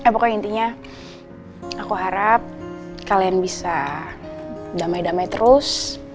pokoknya intinya aku harap kalian bisa damai damai terus